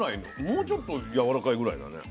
もうちょっとやわらかいぐらいだね。